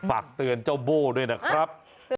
ฝากเตือนเจ้าโบ้ด้วยนะครับ